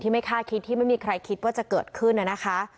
ไม่คาดคิดที่ไม่มีใครคิดว่าจะเกิดขึ้นนะคะ